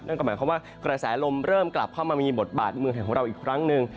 นั่นแสงไฟลมเริ่มกลับมามีบอดบาดการ์ดเมืองไทยของเราอีกครั้งนึง